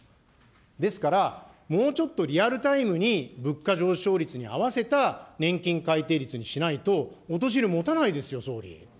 ですから、もうちょっとリアルタイムに物価上昇率に合わせた年金改定率にしないと、お年寄りもたないですよ、総理。